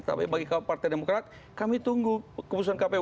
tapi bagi partai demokrat kami tunggu keputusan kpu